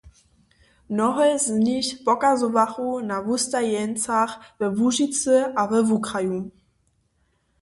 Mnohe z nich pokazowachu na wustajeńcach we Łužicy a we wukraju.